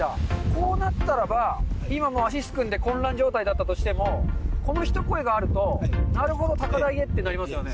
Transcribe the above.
こうなったらば、今、足すくんで混乱状態だったとしてもこのひと声があると、なるほど高台へってなりますよね。